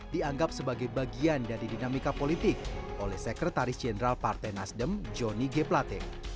dianggap sebagai bagian dari dinamika politik oleh sekretaris jenderal partai nasdem joni g plate